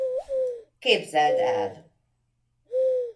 Képzeld el!